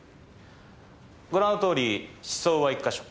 ご覧のとおり刺創は１か所。